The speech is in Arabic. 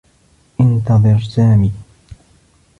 انتظر سامي.